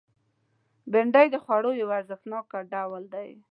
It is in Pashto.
بېنډۍ د خوړو یو ارزښتناک ډول دی